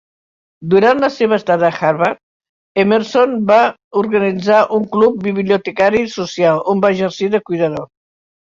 Durant la seva estada a Harvard, Emerson va organitzar un club bibliotecari social, on va exercir de cuidador.